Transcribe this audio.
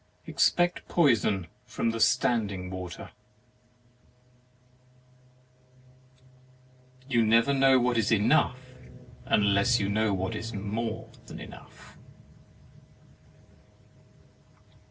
Expect poison from the standing water. You never know what is enough unless you know what is more than enough.